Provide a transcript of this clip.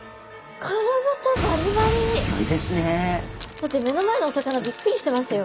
だって目の前のお魚びっくりしてますよ。